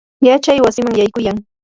yachaywasiman yaykuyay.